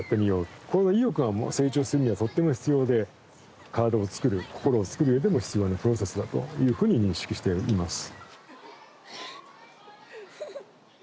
この意欲が成長するにはとっても必要で体をつくる心をつくるうえでも必要なプロセスだというふうに認識しています。